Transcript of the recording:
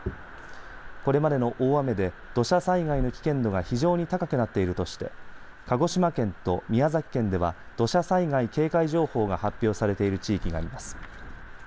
これまでの大雨で土砂災害の危険度が非常に高くなっているとして鹿児島県と宮崎県では土砂災害警戒情報が発表されている地域があります。